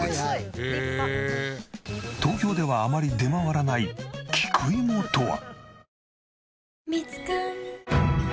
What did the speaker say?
東京ではあまり出回らない菊芋とは？